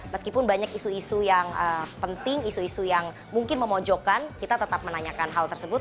meskipun banyak isu isu yang penting isu isu yang mungkin memojokkan kita tetap menanyakan hal tersebut